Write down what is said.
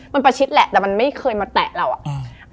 มันประชิดแหละแต่มันไม่เคยมาแตะเราอะ